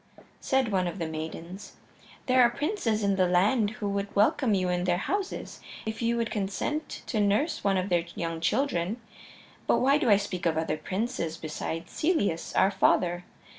Said one of the maidens: "There are princes in the land who would welcome you in their houses if you would consent to nurse one of their young children. But why do I speak of other princes beside Celeus, our father?